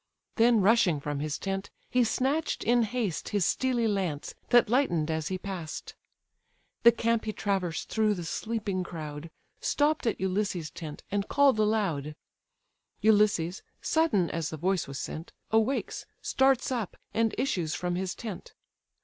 Then rushing from his tent, he snatch'd in haste His steely lance, that lighten'd as he pass'd. The camp he traversed through the sleeping crowd, Stopp'd at Ulysses' tent, and call'd aloud. Ulysses, sudden as the voice was sent, Awakes, starts up, and issues from his tent.